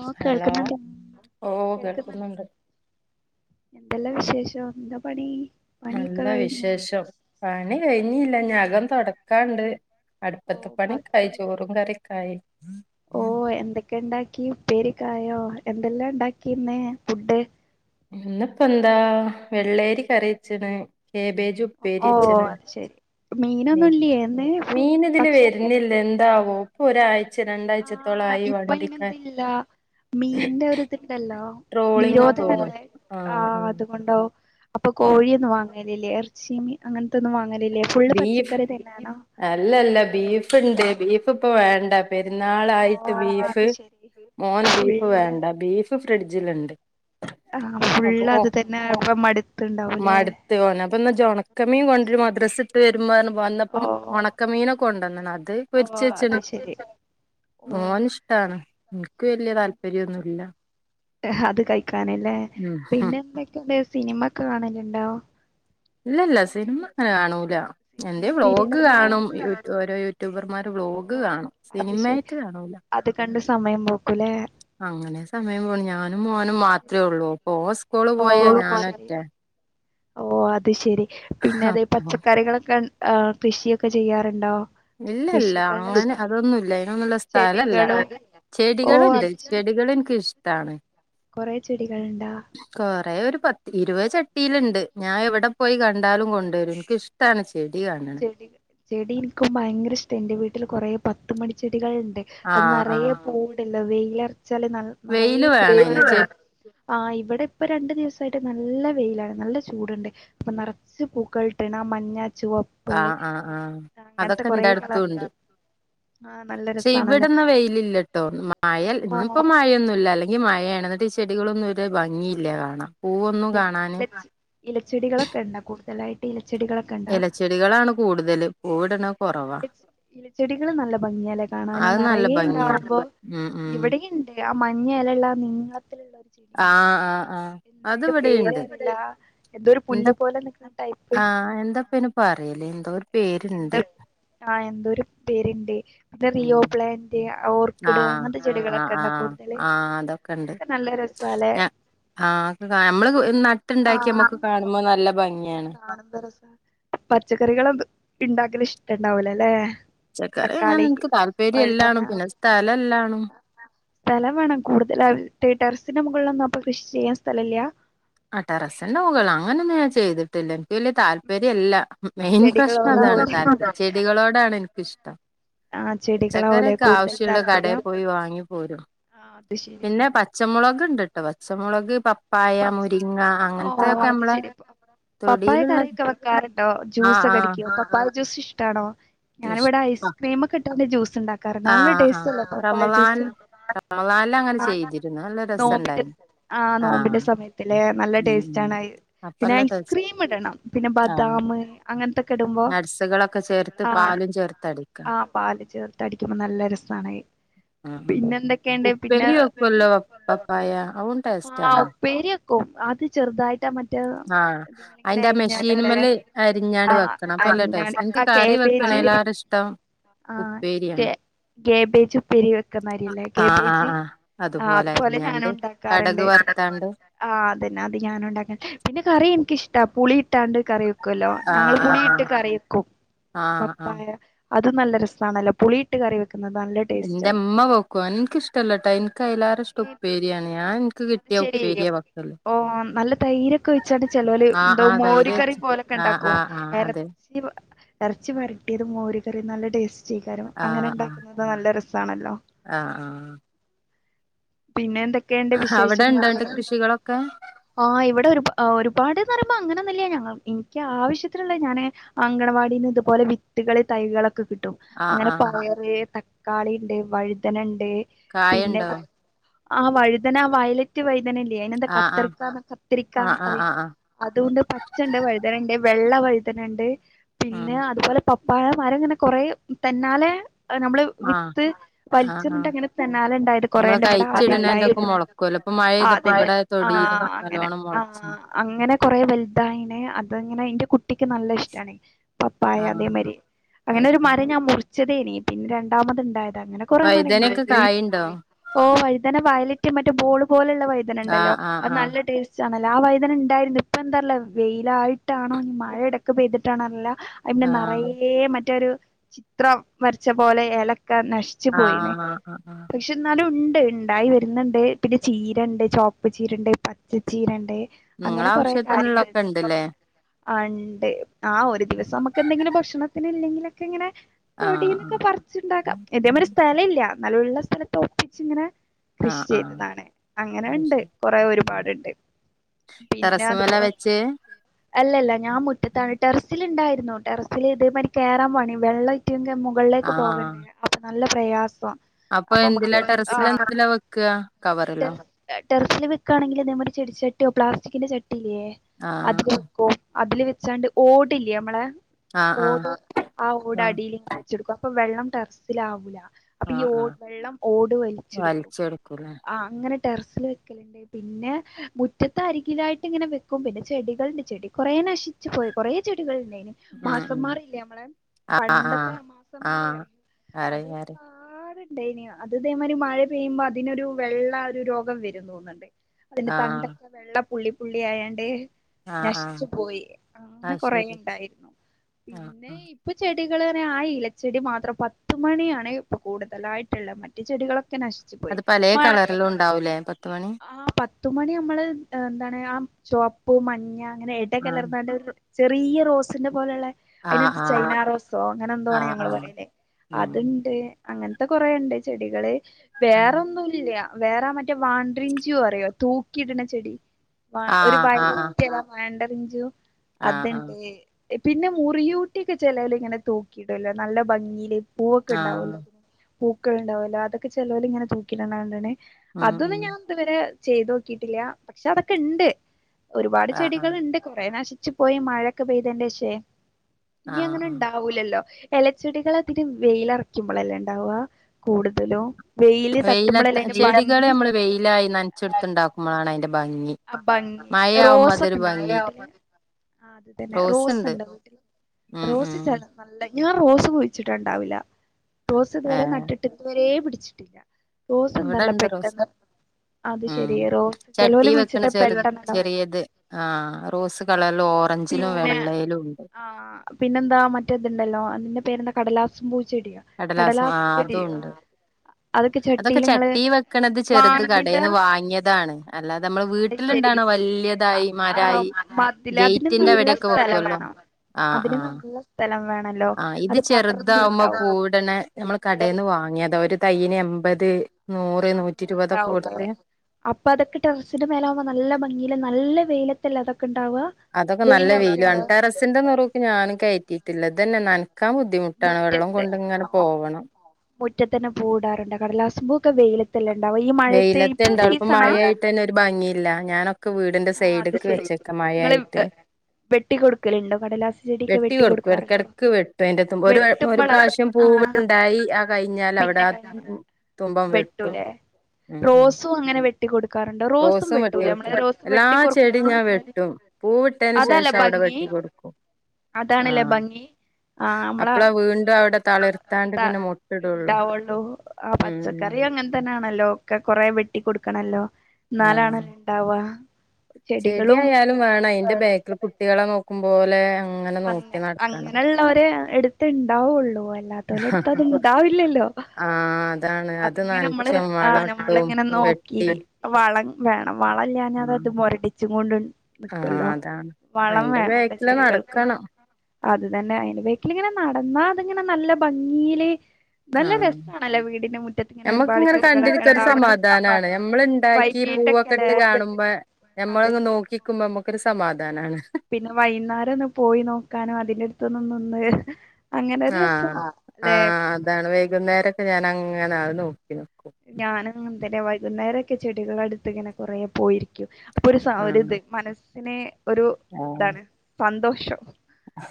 ഓ hello കേൾക്ക്‌ന്നുണ്ട ഓ കേൾക്ക്‌ന്നുണ്ട. കേൾക്കുന്നുണ്ട് എന്തെല്ലാ വിശേഷം ന്താ പണി? പണിയൊക്കെ നല്ല കഴിഞ്ഞോ വിശേഷം പണി കഴിഞ്ഞില്ല ഞ്ഞിഅകം തൊടക്കാണ്ട്. ഓ അടുപ്പത്തെ പണിയൊക്കായി ബാക്കിയെല്ലാം ചോറും കറിയൊക്കായി ഓ എന്തക്കെണ്ടാക്കി ഉപ്പേരിക്കായോ? എന്തെല്ലാംണ്ടാക്കിന്നേ ഫുഡ്? ഇന്നിപ്പന്താ വെള്ളേരി കറിവെച്ചണ്. കേബേജുപ്പേരി ഓ വെച്ച്ണ്. അത് ശരി മീനൊന്നുംല്ലേ ഇന്ന് മീൻ ഇതില് പക്ഷ വെരുന്നില്ല എന്താവോ ഇപ്പൊരാഴ് ച്ച് ആ രണ്ടാഴ്ചത്തോളായി ഇപ്പൊ വണ്ടിക്ക ഇനെന്തില്ല മീന്റെ ഒരിത്ണ്ടല്ലോ ട്രോളിങ്ങാ തോന്ന്ണ് നിരോധനല്ലേ ആ ആഹ് ആഹ് അതുകൊണ്ടാവും. [inaudible] അപ്പൊ അത് കോഴിയൊന്നും വാങ്ങലില്ലേ എറച്ചിമി അങ്ങനത്തൊന്നും വാങ്ങ ബീഫ് അല്ലല്ല ബീഫ്ണ്ട് ബീഫിപ്പ വേണ്ട. ഓ പെരുന്നാളായിട്ട് അത് ബീഫ് ശരി മോന് ബീഫ് ഫുള്ള് വേണ്ട ബീഫ് ഫ്രിഡ്ജില്ണ്ട്. ആ അപ്പൊ ഫുള്ള് അത് തന്നെ ഇപ്പം മടുത്തുണ്ടാവൂലേ മടുത്തോന്‌ അപ്പന്ന്ച്ചോണക്കമീൻ കൊണ്ടരും മദ്രസ് ട്ട് വെ ട്ട്മ്പറഞ്ഞ് വന്നപ്പോ ഓ ഒണക്കമീന് കൊണ്ടന്നണ് അത് ഓ പൊരിച്ച് അത് വെച്ചണ്. ശരി ഓ ഓനിഷ്ടാണ് എനിക്ക് വെല്ല്യ താല്പര്യന്നുല്ല. അത് കഴിക്കാന്ല്ലേ ഉം ഹും പിന്നെ എന്തക്കെണ്ട് സിനിമക്കാണല്ണ്ടോ? ഇല്ലല്ല സിനിമങ്ങനെ കാണൂല. എന്തേ സിനിമയും വ്ലോഗ് സീരിയലൊക്കെ കാണും കാണലുണ്ടോ യൂട്യൂ ഓരോ യൂട്യൂബർമാരെ വ്ലോഗ് ഓ കാണും അത് ശരി സിനിമായിട്ട് കാണൂല. അത് കണ്ട് സമയം പോ അങ്ങനെ സമയം പോണു ഞാനും മോനും അത് ശരി മാത്രേ ഉള്ളൂ അപ്പോ സ്കൂള് ഓ പോയ അത് ശരി ഞാനൊറ്റേ ഓ അത് ശെരി പിന്നെ അതെ അപ്പൊ പച്ചക്കറികളൊക്കെ ആ കൃഷിയൊക്കെ ചെയ്യാറുണ്ടോ? ഇല്ലല്ല കൃഷികളുടെ അങ്ങനെ ഇഷ്ടം അതൊന്നുല്ല അതിനൊന്നുള്ള സ്ഥലല്ല. ചെടികളും ഓ ചെടികള്ണ്ട് അത് ശരി ചെടികളെനിക്ക് ഇഷ്ടാണ്. കൊറെ ചെടികളുണ്ടാ? പത് ഇരുവത് ചട്ടീലിണ്ട് ഞായെവടെ പോയി കണ്ടാലും കൊണ്ടരും എനിക്കിഷ്ടാണ് ചെടി കാണണെ ചെടി ചെടിനിക്കും ഭയങ്കരിഷ്ട എന്റെ വീട്ടില് കൊറേ പത്ത് മണിചെ ട്ടികൾണ്ട് അത് ആഹ് നെറയേ ആഹ് പൂവിട്ല്ലോ വെയില വച്ചാല് നൽ നറയേ വെയില് പൂ വേണം അയിന് ചെ ആ ഇവിടെപ്പ രണ്ടു ദിവസായിട്ട് നല്ല വെയിലാണ് നല്ല ചൂടുണ്ട് അപ്പ നറച്ച് പൂക്കൾട്ടിണ മഞ്ഞ ചുവ ആ ആ ആ കളറില് അതൊക്കെന്റെടുത്തുണ്ട്. ആ നല്ല ക്ഷെ രസാണല്ലോ ഇവിടന്ന് വെയിലില്ലട്ടോ മയൽ ഓ ഇന്നിപ്പോ മയൊന്നുല്ല അല്ലെൻ ഈ മഴയാണ് എന്നിട്ട് ചെടികളൊന്നും ഒര് ഭംഗിയില്ല കാണാൻ. ആ പൂവൊന്നും അതെ കാണാന് ഇലച്ചെടികളൊക്കെ ഇണ്ട കൂടുതലായിട്ട് ഇ എലച്ചെടികളാണ് കൂടുതല് പൂവിടണ കൊറവാ ഇല ഇലച്ചെടികള് നല്ല ഭംഗിയാലേ കാണാന് അത് നല്ല ഭംഗിയാണ് നറയേണ്ടാവുമ്പോ ഉം ഉം ഇവിടെയിണ്ട് ആ മഞ്ഞേലേള്ള നീള തിലോള്ളൊരു ആഹ് ചെടിണ്ടല്ലോ ആഹ് ആഹ് എന്തായിന്റെ അതിവിടെയുണ്ട് പേരെന്താ എന്തൊരു പുല്ല് പോലെ നിക്കണ ആ എന്താപ്പയിന് പറയല് എന്തോ ഒരു പേര്ണ്ട്. എന്താ ആ എന്തോരു പേര്ണ്ട് എന്തോ റിയോപ്ലാന്റ്. ആ ആ ആ കൂടുതല് ആ അതൊക്കെണ്ട് അതൊക്കെ നല്ല രസാല്ലേ ഞാ ആ നമ്മള് നട്ടുണ്ടാക്കി നമ്മക്ക് കാണുമ്പോ നല്ല ഭംഗി [inaudible] പച്ചക്കറികളും ഇണ്ടാക്കല് ഇഷ്ടണ്ടാവുല്ലല്ലേ. ച്ചക്കറി ങ്ങനെനിക്ക് താല്പര്യല്ലാണ് പിന്നെ സ്ഥലല്ലാണ്. സ്ഥലം വേണം കൂടുതലാള് ടെറസിന്റെ മുകളിലൊന്നും അപ്പ കൃഷി ചെയ്യാൻ സ്ഥലല്ല? ആ ടെറസിന്റെ മുകള് അങ്ങനൊന്നും ഞാൻ ചെയ്തിട്ടില്ല എനിക്ക് വെല്ല്യ താല്പര്യല്ല. മെയിൻ പ്രശ്നം അതാണ് ചെടികളോടാവൂലേ താല്പര്യം ചെടികളോടാണെനിക്കിഷ്ടം. ആ ചെടികളാവൂലേ ച്ചക്കറൊക്കെ കൂടുതൽ ആവശ്യള്ള കടെൽ താല്പര്യം പോയി വാങ്ങി പോരും ആ അത് പിന്നെ ശരിയെന്നെയാണ് പച്ചമുളക് ഇണ്ട്ട്ടോ പച്ചമുളക് പ പായ പച്ച മുരിങ്ങ ഓ അങ്ങനത്തൊക്കെ അത് മ്മള ശരി പപ്പായ കറിയൊക്കെ വെക്കാറുണ്ടോ? ആഹ് ജ്യൂസൊക്കെ ആഹ് അടിക്കോ? പപ്പ ജൂസ് ഇഷ്ടണോ ഞാനിവിടെ ഇഷ്ട ഐസ്ക്രീം ഒക്കെ ഇട്ടാ ജ്യു.... ജ്യൂസ് ണ്ടാക്കാറണ്ട് നല്ല ആഹ് ആഹ് ടസ്റ്റ് അല്ലെ പപ്പായ ജ്യു റമളാൻ സ് അങ്ങനെ ചെയ്തിരുന്നു നല്ല രസു നോമ്പിന്റെ ണ്ടായി ആ ആഹ... നോമ്പിന്റെ നല്ല ടേസ്റ്റ് ആണ് അയ് പിന്നെ അപ്പല്ല ടേസ്റ്റ് ഐസ്ക്രീം ഇടണം പിന്നെ ആഹ് ബദാമ് അങ്ങനത്തെ നട്സുകളൊക്കെ [unintelligible] ചേർത്ത് ആ പാലും ആ ചേർത്തടിക്കണം പാല് ചേർത്ത് അടിക്കുമ്പോ നല്ല രസാണ് അ.... ഉം ഉം പിന്നെ എന്തൊക്കെയണ്ട് പിന്നെ ഉപ്പേരി വെക്കുവല്ലോ പപ്പായ അതും ആ ടേസ്റ്റാണ് ഉപ്പേരി വെക്കും അത് ചെറുതായി ആഹ് അയിന്റെ ആ അരിഞ്ഞാണ്ടല്ലേ മെഷീന്മല് ആ അരിഞ്ഞാട് വെക്കണം അപ്പല്ല ടെസ് അരിഞ്ഞാണ്ട് എനിക്ക് ആ കറി.... [unintelligible] കേബേജ് വെക്കണേലേറെ ഇഷ്ട്ടം ഉപ്പേരിയാണ് കേബേജുപ്പേരി വെ.... [unintelligible] ആഹ് ആഹ് കേബേജ് ആഹ് ആ അതുപോലെ ഞാനും അരിഞ്ഞാണ്ട് കടക് ഉണ്ടാക്കാറ്ണ്ട് വറുത്താണ്ട് ആഹ് അതെന്നെ അത് ഞാനുണ്ടാക്കൻ പിന്നെ കറി എനിക്കിഷ്ടാ പുളി ഇട്ടാണ്ട് കറി ക്കല്ലോ ആഹ് ഞങ്ങള് ആഹ് പുളി ഇട്ട് ആഹ് കറിയക്കും ആഹ് ആഹ് പപ്പായ അത് നല്ല രസാണല്ലോ പുളിയിട്ട് കറി വെക്കുന്നത് നല്ല ടേസ്റ്റ് ആണ് ന്റെമ്മ വെക്കു നിക്കിഷ്ടല്ല ട്ടാ എനക്ക് അയിലേരെ ഇഷ്ടം ഉപ്പേരിയാണ് ഞാൻ എനിക്ക് അത് കിട്ടിയ ശരി ഉപ്പേരിയ വെക്കല് ഓ നല്ല തൈരൊക്കെ ഒഴിച്ചണ്ട് ചിലൊരു ആഹ് എന്തോ ആഹ് തൈര് മോരു കറി വെച്ച് [unintelligible] ആഹ് ഇണ്ടക്കു ആഹ് ആഹ് അതെ എറച്ചി എ റച്ചി വരട്ടിയത് മോര് കറി നല്ല ടേസ്റ്റ് [unintelligible] അങ്ങനെ ആഹ് ഇ ആഹ് ണ്ടാക്കുന്നത് നല്ല രസാണല്ലോ ആഹ് ആഹ് പിന്നെ എന്തൊക്കെയണ്ട് വി അവിടെ ഇണ്ടോന്നിട്ട് കൃഷികളൊക്കെ ആ ഇവിടെ ഒരു ഒരുപാട്... [unintelligible] അങ്ങനെന്നുല്ല ഞ എനിക്ക് ആവശ്യത്തിലുള്ള ഞാന് അങ്കണവാടിന്ന് ഇതുപോലെ വിത്തുകള് തൈകളക്കെ... കിട്ടും ആഹ് അങ്ങനെ ആഹ് പയറ് തക്കാളിണ്ട് വഴുതനണ്ട്.... ണ്ട്... പിന്നെ കായണ്ടോ ആ വഴുതന വയലറ്റ് വഴുത... അങ്ങനെ ഇല്ലേ പിന്നെന്താ ആഹ് ആഹ് കത്തിരിക്ക ആഹ് ആഹ് ആഹ് ആഹ് അതുണ്ട് പച്ചണ്ട് വഴുതനണ്ട് വെള്ള വഴുതണണ്ട് പിന്നെ ആഹ് അതുപോലെ പപ്പായ മരം ഇങ്ങനെ കൊറെ തന്നാലെ.. നമ്മള് ആഹ് വിത്ത് ആഹ് വലിച്ചെറിഞ്ഞിട്ട് ആഹ് അങ്ങനെ തന്നാല ഉണ്ടായത് നമ്മള് കൊറേണ്ട് ഇവിടെ കഴിച്ചിടണേന്റൊക്കെ ആദ്യംണ്ടായത്. മൊളക്കുവല്ലോ ഇപ്പൊ ആ മഴെയ്തപ്പോ അതെ ഇവിടെ ആ തൊടിയിലും അങ്ങനെ നല്ലോണം ആ മൊളച്ച് അങ്ങനെ കൊറെ വലുതായിന് അതങ്ങനെ ന്റെ കുട്ടിക്ക് നല്ല ഇഷ്ടണ് പപ്പായ അതേ ആഹ് മാരി അങ്ങനെ അത് ഒരു ശരി മരം ഞാൻ മുറി... വെച്ചതേനി പിന്ന രണ്ടാമത്ണ്ടായത അങ്ങനെ കൊറെേ മര വഴുതനൊക്കെ കായ്ണ്ടോ ഓ വഴതന വ.. ബോള് പോലുള്ള വയ്തനണ്ടല്ലോ ആഹ് ആഹ് അത് ആഹ് നല്ല ടേസ്റ്റ്... ആ വൈതന ഉണ്ടായിരുന്നു ഇപ്പൊ എന്താറില്ല വെയിലായിട്ടാണോ ഇനി മഴ പെയ്തിട്ടാണോ അറിയില്ല ആഹ് നറയെ മറ്റൊരു ചിത്രം വരച്ച പോലെ എല നശിച്ചു പോയിന് ആഹ് ആഹ് ആഹ് പക്ഷെ ന്നാലും ഉണ്ട് ഉണ്ടായി വരുന്നുണ്ട് പിന്നെ ചീരണ്ട് ചോപ്പ് ചീരണ്ട് പച്ച ചീരണ്ട് നിങ്ങള അങ്ങനെ കൊറെ ആവശ്യത്തിനുള്ളൊക്കെ കാര്യങ്ങള് ഇണ്ട്ല്ലേ ണ്ട് ആ ഇണ്ട് ആ ഒരു ദിവസം നമുക്ക് എന്തെങ്കിലും ഭക്ഷണത്തിന് ഇല്ലെങ്കിലൊക്കെ ഇങ്ങനെ ആഹ് തൊടിന്നൊക്കെ പറിച്ചുണ്ടാക്കാം ഇതേ മാതിരി ഒരു സ്ഥലില്ല എന്നാല്ലുള്ള സ്ഥലത്ത് ഒപ്പിച്ചിങ്ങനെ ആ ആ അങ്ങനെ ണ്ട് കൊറെ ഒരുപാടുണ്ട് പിന്നെ ടെറസ്മല അതുപോ.. വെച്ച് അല്ലല്ല ഞാൻ മുറ്റത്താണ് ടെറസി... ണ്ടായിരുന്നു ടെറസില് ഇതേമാതിരി കേറൻ പണി വെള്ളംറ്റ മുകളിലേക്ക് പോകേണ്ട.. ആഹ് നല്ല പ്രയാസംആ അപ്പൊ എന്തിലാ ടെറസില് എന്തിലാ വെക്ക്യ? കവറിലോ? ടെറസില് വെക്കുകയാണെങ്കില് ഇതേ മാതിരി ചെടിച്ചട്ടിയോ പ്ലാസ്റ്റിക്കിന്റെ ചട്ടിയിലേ അതില് ആഹ് വെക്കു അതില് വെച്ചാണ്ട് ഓടില്ലെ മ്മളെ ആഹ് ആഹ് ഓട് ആ ഓട ആഹ് അടിൽ ഇങ്ങനെ വെച്ചെടുക്കും അപ്പൊ വെള്ളം ടെറസില ആവൂല അപ്പൊ ആഹ് ഈഓ ആഹ് വെള്ളം ഓടു വലിച്ചിടുക്ക വലിച്ചെടുക്കൂലേ അങ്ങനെ ടെറസിൽ വെക്കലുണ്ട് പിന്നെ മുറ്റത്ത് അരികിലായിട്ട് ഇങ്ങനെ വെക്കും പിന്നെ ചെടികളണ്ട് ചെടി കുറേ നശിച്ചു പോയി കുറേ ചെടികൾ ഉം ഉം മാസന്മാറിയില്ലേ നമ്മളെ ആഹ് ആഹ് പണ്ടത്തെ മാസന്മാറി ആഹ് അറിയു അറിയ അതൊരു അറിയ [inaudible] ദൈയനീയാ അതിതേമാതിരി മഴ പെയ്യുമ്പോ അതിനൊരു വെള്ള ഒരു രോഗം വരുന്നു തോന്നുന്നുണ്ട് അതിന്റെ ആഹ് തണ്ടൊക്കെ വെള്ള പുള്ളി പുള്ളി ആയാണ്ട് ആഹ് ആഹ് നശിച്ചു പോയ അങ്ങനെ അത് കൊറെേ ശരി ഉണ്ടായിരുന്നു ആഹ് പിന്നെ ആഹ് ഇപ്പൊ ചെ ചെടികൾ അങ്ങനെ ആയില്ല ചെടി മാത്രം പത്ത് മണിയാണ് ഇപ്പൊ കൂടുതലായിട്ടുള്ളത് മറ്റ് ചെടികളൊക്കെ നശിച്ചു പോയിഴ അത് പലേ കളറിലും ഉണ്ടാവൂലേ പത്തുമണി ആ പത്തുമണി നമ്മള് എന്താണ് ആ ചുവപ്പ് മഞ്ഞ അങ്ങനെ ഇട ആഹ് കലർന്നണ്ട ഒരു ചെറിയ റോസിന്റെ പോലുള്ള ആഹ് അതിനകത്ത് ആഹ് ചൈനാ റോസോ അങ്ങനെ എന്തോണ് ആഹ് ഞങ്ങള് ആഹ് പറയുന്നെ ഉം അതുണ്ട് അങ്ങനത്തെ കൊറേണ്ട് ചെടികള് ഉം വേറൊന്നും വേറെ മറ്റേ വാണ്ട്രിഞ്ചിയോ അറിയോ തൂക്കിയിടണ ചെടി വ ഒരു ആഹ് ആഹ് വയലറ്റ് കളർ വേണ്ടറിഞ്ചു ആഹ് ആഹ് അത്ണ്ട് ആഹ് പിന്നെ മുറിയൂട്ടിയക്കെ ജനലിൽ ഇങ്ങനെ തൂക്കീടുല്ലോ നല്ല ഭംഗിയില് പൂവൊക്കെ ആഹ് ഉണ്ടാവൂല്ലോ പൂക്കൾ ഉണ്ടാവൂല്ലോ അതൊക്കെ ചെലവര് ഇങ്ങനെ തൂക്കിയിടണ കണ്ടോണെ ഉം ഉം അതൊന്നും ഞാൻ ഇതുവരെ ചെയ്ത് നോക്കിട്ടില്ല പക്ഷെ അതൊക്കെ ഇണ്ട് ഒരുപാട് ആഹ് ആഹ് ചെടികളുണ്ട് കൊറെ നശിച്ചു പോയി മഴയൊക്കെ പെയ്തന്റെ ശേഷേ നീ ആഹ് അങ്ങനെ ആഹ് ഇണ്ടാവൂലല്ലോ ഇലച്ചെടികൾ അതിന് വെയിലറക്കുമ്പോളല്ല ഉണ്ടാവുക കൂടുതലും വെയില് ത ചെടികളെ നമ്മള് വെയിലായി നനച്ചെടുത്തുണ്ടാക്കുമ്പോഴാണ് അതിന്റെ ഭംഗി ആ ഭംഗി മഴയാവുമ്പോ റോസയൊക്കെ അതൊരു ഉണ്ടോ ഭംഗിയില്ല വീട്ടില് ആ അത്തന്നെ റോസ് റോസ്ണ്ട് ഉണ്ട് വീട്ടിൽ ഉം റോസ് ഉം ച നല്ല ഞാൻ റോസ് കുഴിച്ചിട്ടുണ്ടാവില്ല റോസ് ഇതുവരെ ഏഹ് നട്ടിട്ട് ഇന്നവരേ പിടിച്ചിട്ടില്ല റോസ് എന്താല്ലോ ഇവിടെണ്ട് റോസ് പെട്ടെന്ന് അത് ശെരി റോസ് ചല ചെറ ചെറിയത് ആ റോസ് ആഹ് കളറൽ ഓറഞ്ചിലും പിന്നെ വെള്ളയിലും ഉണ്ട് ആഹ് പിന്നെന്താ മറ്റേതുണ്ടല്ലോ അതിന്റെ പേര്ന്താ കടലാസം പൂ ചെടിയ കടലാസും കടലാസ് ആഹ് ചെടിയ അതും ഉണ്ട് അതൊക്കെ ചട്ടീൽ നിങ്ങള് ചട്ടി വെക്കണത് ചെറുത് വാങ്ങിയത് കടേന്ന് വാങ്ങിയതാണ് അല്ലാതെ നമ്മള് അത് ശെരി വീട്ടിലുണ്ടാവണ വല്യതായി മരായി മതില് അതിനും ഗേറ്റിന്റെ നല്ല അവിടെയൊക്കെ സ്ഥലം വെക്കുവല്ലോ വേണം ആഹ് അതിന് ആഹ് നല്ല സ്ഥലം വേണം ആഹ് ഇത് ചെറുതാവുമ്പോ പൂവിടണേ നമ്മൾ നല്ല കടയീന്ന് വാങ്ങിയതോ ഒരു തയ്യന് എമ്പത് അങ്ങനുണ്ടാവൂല്ലേ അപ്പൊ അതൊക്കെ ടെറസിന്റെ മേലാവുമ്പോ നല്ല ഭംഗിയില് നല്ല വെയിലത്തല്ലാതെ അതൊക്കെ നല്ല വെയിലും അൺട്ടറസിന്റെ നറവൊക്കെ ഞാനൻും കയറ്റിട്ടില്ലത് അതനന്നെ നനക്കാൻ ബുദ്ധിമുട്ടാണ് വെള്ളം കൊണ്ട് ഇങ്ങനെ പോവണം മുറ്റത്ത് തന്നെ പൂവീടാറുണ്ട് കടലാസബുക്ക് ഒക്കെ വെയില വെയിലത്ത് ഇണ്ടാവളിപ്പോ മഴായിട്ട് തന്നെ ഒരു ഭംഗിയില്ല ഞാനൊ വീടിന്റെ ആ അത് സൈഡ്ക്കാ ശരി വെച്ചേക്കാ ഇങ്ങള് മഴായായിട്ട് വെട്ടി കൊടുക്കലുണ്ടോ കടലാസ് ചെടിയൊക്കെ വെട്ടി കൊടുക്കും കൊടുക്കാറുണ്ടോ ഇടക്കിടക്ക് വെട്ടു അതിന്റെത്തുമ്പ ഒരു ഒരു വെട്ടുമ്പളാ പ്രാവശ്യം പോ ആ പൂവു്ണ്ടായി ആ കഴിഞ്ഞാൽ അവിടെ പിന്നെ കഴിഞ്ഞ തുമ്പങ്ങ് വെട്ടു വെട്ടൂലേ റോസും അങ്ങനെ വെട്ടിക്ക കൊടുക്കാറുണ്ട് റോസും വെട്ടൂ വെട്ടി നമ്മ കൊടുക്കും എല്ലാ വെട്ടി ചെടിയും ഞാൻ കൊറക്കുമ്പോ വെട്ടും പൂവിട്ടതിന് അതല്ലേ ശേഷം അവിടെ ഭംഗി വെട്ടി കൊടുക്കും അതാണല്ലേ ആഹ് ഭംഗി ആഹ് നമ്മളെ അപ്പളാ വീണ്ടും അവിടെ തളിർത്താണ്ട് പിന്നെ മൊട്ടിടുള്ളൂ ഇണ്ടാവുള്ളൂ ആ ഉം ഉം പച്ചക്കറി അങ്ങനെ തന്നാണല്ലോ ഒക്കെ കൊറേ വെട്ടി കൊടുക്കണല്ലോ ആഹ് നാലാണല്ലോ ഉണ്ടാവ ചെടികളും ചെടിയായാലും വേണം അയിന്റെ ബാക്കിൽ കുട്ടികളെ നോക്കുമ്പോലെ അ അങ്ങനെയുള്ളവരെ എടുത്ത്ുണ്ടാവുള്ളൂ എല്ലാത്തോലും എടുത്ത അത്ും ഇതാവില്ലല്ലോ ആഹ് അതാണ് അത് അതിങ്ങെ നമ്മള് നനച്ചും വളട്ടും നമ്മളങ്ങനെ നോക്കി വെട്ടി വ വളല്ല അത അത് ആഹ് മുരടിച്ചും കൊണ്ട് ആഹ് നക്കുമല്ലോ വളം വേണ ചെടികൾ കണോ അത്തന്നെ അയിന്റെ ബേക്കലിങ്ങനെ നടന്നാ അതിങ്ങനെ നല്ല ഭംഗിയില് നല്ല ആഹ് രസമാണല്ലോ വീടിന്റെ മുറ്റത്ത്ങ്ങനെ ഒരുപാട് ഞമ്മക്കിങ്ങനെ ചെടികളൊക്കെ കണ്ടിരിക്ക ഉണ്ടാവ ഈ പൂവൊക്കെ ഇട്ട് കാണുമ്പോ നമ്മളങ് അതന്നെ നോക്കിക്കുമ്പോ നമുക്കരു സമാധിക്കം പിന്നെ വൈകുന്നേരം ഒന്ന് പോയി നോക്കാനോ അതിന്റെ അടുത്തൊന്നന്ന ഒന്ന് ആ ആ് അതാണ് വൈകുന്നേരൊക്കെ ഞാൻങ്ങനെത് നോക്കു ഞാനങ്ങന തന്നെ വൈകുന്നേരൊക്കെ ചെടികൾ അടുത്ത് ഇങ്ങനെ കൊറ പോയിരിക്കും ഒരു സ ആഹ്. ഒരിത് മനസ്സിനെ ഒരു ആഹ്. ഇതാണ് സന്തോഷം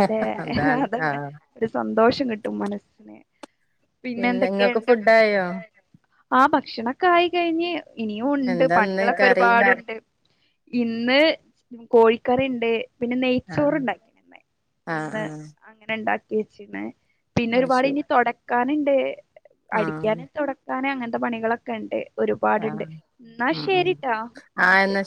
അല്ലെ അതാണ്. അതെ ആഹ്. ഒരു സന്തോഷം കിട്ടും മനസ്സിനന് പിന്നെ ഇങ്ങക്ക് എന്തൊക്കെയുണ്ട് ഫുഡായോ? ആ ഭക്ഷണൊക്കെ ആയി കഴിഞ്ഞ് ഇനിയും ഉണ്ട് എന്താന്ന് പണികളൊക്കെ കറി? ഒരുപാടുണ്ട് ഇന്ന് കോഴിക്കാരുണ്ട് പിന്നെ നെയ്ച്ചോർ ആഹ്. ഉണ്ടാക്കെ ആഹ് ഇന്ന് ആഹ്. അങ്ങനെ ഇണ്ടാക്കി വെച്ചിണ് പിന്നെ അത് ഒരുപാട് ശരി. ഇനി തുടക്കാനുണ്ട് ആഹ്. അടിക്കാന തുടക്കാന അങ്ങനത്തെ പണികളൊക്കെ ഉണ്ട് ഒരുപാടുണ്ട് ആഹ്. എന്നാ ഉം ഉം. ശേരിട്ടാ എന്നാ ശരി